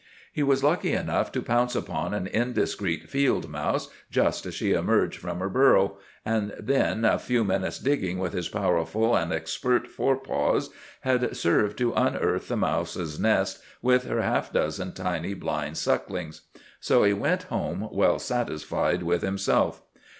He was lucky enough to pounce upon an indiscreet field mouse just as she emerged from her burrow, and then a few minutes' digging with his powerful and expert fore paws had served to unearth the mouse's nest with her half dozen tiny blind sucklings. So he went home well satisfied with himself.